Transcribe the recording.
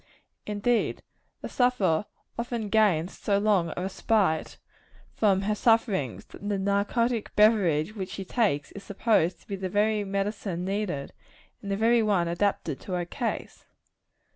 Indeed, the sufferer often gains so long a respite from her sufferings, that the narcotic beverage which she takes is supposed to be the very medicine needed, and the very one adapted to her case.